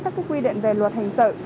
các quy định về luật hình sự